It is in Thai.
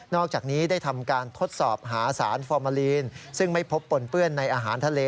นอกจากนี้ได้ทำการทดสอบหาสารซึ่งไม่พบปล่นเปื้อนในอาหารทะเล